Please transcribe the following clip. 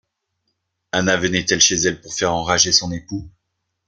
Anna venait-elle chez elle pour faire enrager son époux